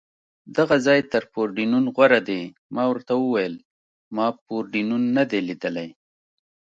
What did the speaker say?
دغه ځای تر پورډېنون غوره دی، ما ورته وویل: ما پورډېنون نه دی لیدلی.